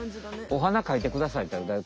お花かいてくださいっていったら。